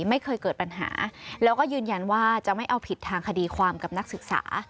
ไม่เคยเกิดปัญหาแล้วก็ยืนยันว่าจะไม่เอาผิดทางคดีความกับนักศึกษา